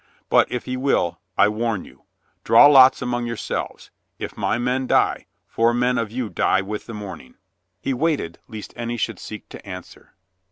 But if he will — I warn you. Draw lots among yourselves. If my men die, four men of you die with the morning." He waited lest any should seek to answer.